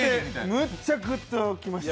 むっちゃグッときました。